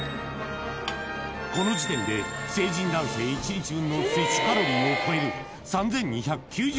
この時点で成人男性１日分の摂取カロリーを超える３２９０